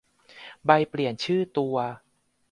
ใบเปลี่ยนชื่อตัว